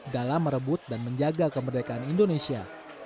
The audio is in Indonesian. dalam merebut dan menjaga kemerdekaan indonesia